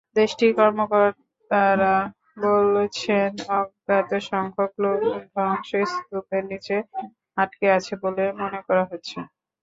দেশটির কর্মকর্তারা বলছেন, অজ্ঞাতসংখ্যক লোক ধ্বংসস্তূপের নিচে আটকে আছে বলে মনে করা হচ্ছে।